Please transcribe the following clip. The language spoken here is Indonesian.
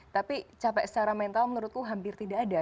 tapi capek secara mental menurutku hampir tidak ada